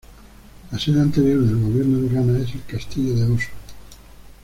La sede anterior del gobierno de Ghana es el castillo de Osu.